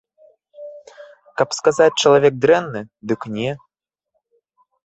Каб сказаць чалавек дрэнны, дык не.